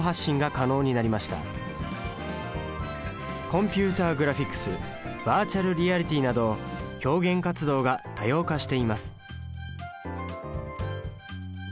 コンピュータグラフィックスバーチャルリアリティなど表現活動が多様化しています。